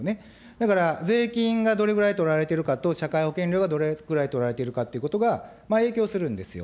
だから税金がどれぐらいとられているかと、社会保険料がどれぐらいとられているかということが、影響するんですよ。